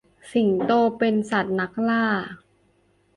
สิงโตเป็นสัตว์นักล่า